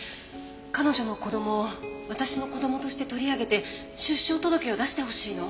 彼女の子供を私の子供として取り上げて出生届を出してほしいの。